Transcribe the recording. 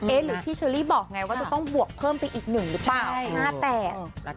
หรือที่เชอรี่บอกไงว่าจะต้องบวกเพิ่มไปอีก๑หรือเปล่า๕๘